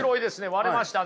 割れましたね。